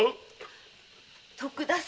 徳田様。